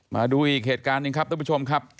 มาดูอีกเหตุการณ์หนึ่งครับทุกผู้ชมครับ